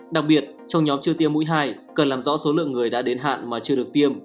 đặc biệt trong nhóm chưa tiêm mũi hai cần làm rõ số lượng người đã đến hạn mà chưa được tiêm